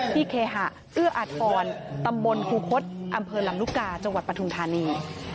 ที่เคหะเอื้ออาทฟรณ์ตำบลครูคสอำเภอลำรุกาจังหวัดปทุนทานี